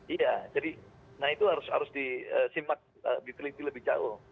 iya jadi nah itu harus disimat dikeliti lebih jauh